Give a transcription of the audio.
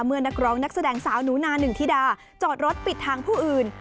นักร้องนักแสดงสาวหนูนาหนึ่งธิดาจอดรถปิดทางผู้อื่น